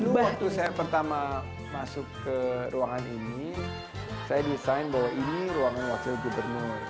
dulu waktu saya pertama masuk ke ruangan ini saya desain bahwa ini ruangan wakil gubernur